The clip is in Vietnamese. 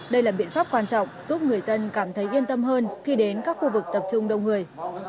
đây là biện pháp quan trọng giúp người dân cảm thấy yên tâm hơn khi đến các khu vực tập trung đông người